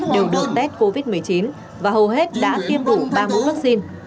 đều được test covid một mươi chín và hầu hết đã tiêm đủ ba mẫu vaccine